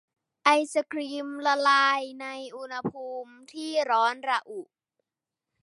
ไอศกรีมละลายในอุณหภูมิที่ร้อนระอุ